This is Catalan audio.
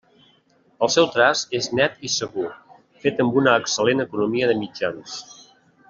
El seu traç és net i segur, fet amb una excel·lent economia de mitjans.